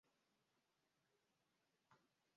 آیا د سترګو درملنه کیږي؟